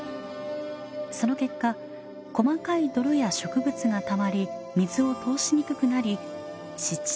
その結果細かい泥や植物がたまり水を通しにくくなり湿地となったのです。